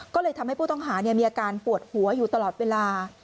ก็เลยทำให้ผู้ต้องหามีอาการปวดหัวอยู่ตลอดเวลา